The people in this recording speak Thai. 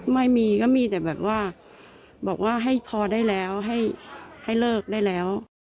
ไม่มีก็มีแต่แบบว่าบอกว่าให้พอได้แล้วให้เลิกได้แล้ว